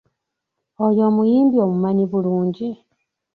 Oyo omuyimbi omumanyi bulungi?